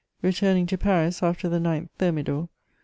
Returning to Paris after the 9 Thermidor, M.